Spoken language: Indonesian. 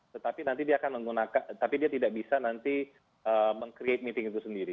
tetapi nanti dia akan menggunakan tapi dia tidak bisa nanti meng create meeting itu sendiri